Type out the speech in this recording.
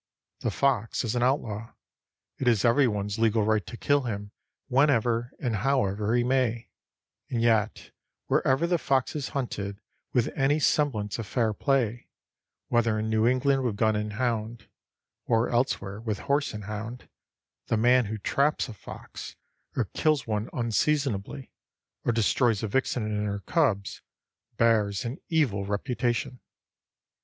The fox is an outlaw; it is every one's legal right to kill him whenever and however he may, and yet wherever the fox is hunted with any semblance of fair play, whether in New England with gun and hound, or elsewhere with horse and hound, the man who traps a fox, or kills one unseasonably, or destroys a vixen and her cubs, bears an evil reputation.